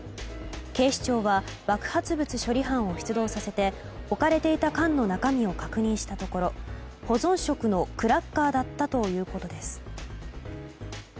警視庁は爆発物処理班を出動させて置かれていた缶の中身を確認したところ保存食のクラッカーだったということです。